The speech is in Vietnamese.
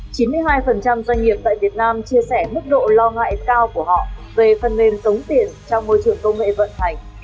chín mươi hai doanh nghiệp tại việt nam chia sẻ mức độ lo ngại cao của họ về phần mềm tống tiền trong môi trường công nghệ vận hành